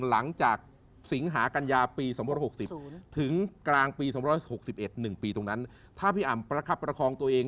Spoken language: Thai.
สิงหากัญญาปี๒๖๐ถึงกลางปี๒๖๑๑ปีตรงนั้นถ้าพี่อ่ำประคับประคองตัวเอง